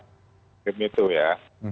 seperti itu ya